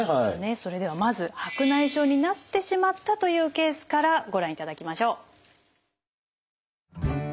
それではまず白内障になってしまったというケースからご覧いただきましょう。